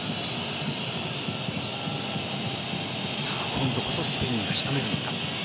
今度こそスペインが仕留めるのか。